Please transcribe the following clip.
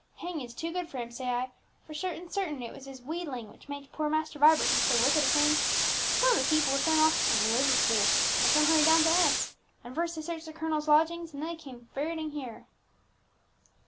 "Hanging is too good for him, say I; for sure and certain it was his wheedling which made poor Master Vibert do so wicked a thing. Some of the police were sent off to Liverpool, and some hurried down to S . And first they searched the colonel's lodgings, and then they came ferreting here."